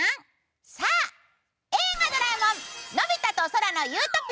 さあ、「映画ドラえもんのび太と空の理想郷」